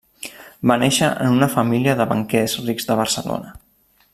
Va néixer en una família de banquers rics de Barcelona.